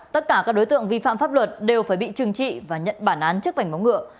tất cả các đối tượng vi phạm pháp luật đều phải bị trừng trị và nhận bản án trước vảnh móng ngựa